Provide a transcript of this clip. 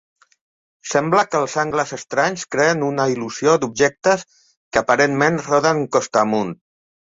Sembla que els angles estranys creen una il·lusió d'objectes que aparentment roden costa amunt.